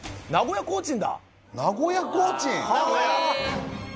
名古屋コーチン！